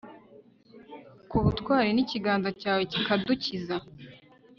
k'ubutwari, n'ikiganza cyawe kikadukiza